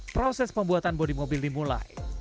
proses pembuatan bodi mobil dimulai